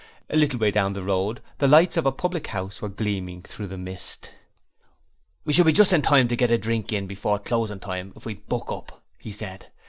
A little way down the road the lights of a public house were gleaming through the mist. 'We shall be just in time to get a drink before closing time if we buck up,' he said.